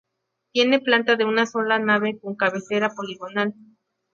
Tiene planta de una sola nave con cabecera poligonal.